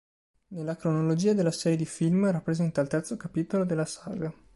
Nella cronologia della serie di film, rappresenta il terzo capitolo della saga.